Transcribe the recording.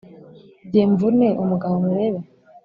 jye mvune umugabo murebe